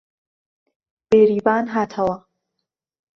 بێریڤان هاتەوە